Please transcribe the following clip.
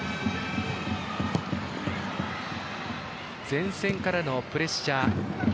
前線からのプレッシャー。